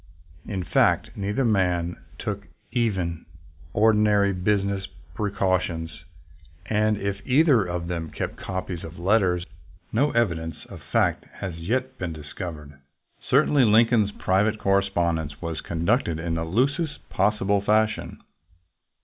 In fact, neither man took even ordinary business precautions, and if either of them kept copies of letters, no evidence of that fact has yet been discovered. Certainly Lincoln's private correspondence was conducted in the loosest possible fashion.